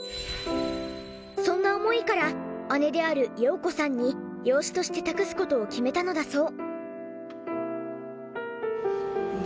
そんな思いから姉である容子さんに養子として託す事を決めたのだそう。